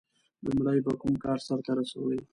• لومړی به کوم کار سر ته رسوي؟